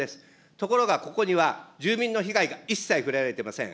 ところがここには住民の被害が一切触れられてません。